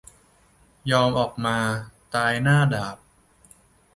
ยอมออกมา "ตายดาบหน้า"